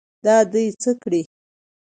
دا دې څه کړي.